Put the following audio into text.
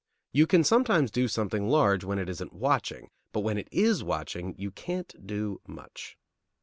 You can sometimes do something large when it isn't watching, but when it is watching, you can't do much.